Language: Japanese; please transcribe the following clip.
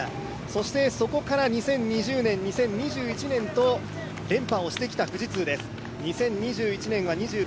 そして、そこから２０２０年、２０２１年、連覇してきた富士通です。